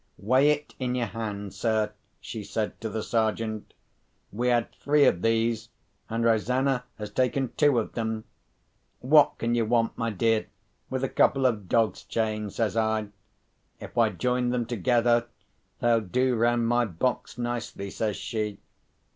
"Weigh it in your hand, sir," she said to the Sergeant. "We had three of these; and Rosanna has taken two of them. 'What can you want, my dear, with a couple of dog's chains?' says I. 'If I join them together they'll do round my box nicely,' says she.